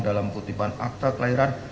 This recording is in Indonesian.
dalam kutipan akte kelahiran